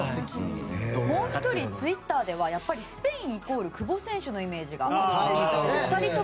もう１人、ツイッターではやっぱりスペインイコール久保選手のイメージがあると。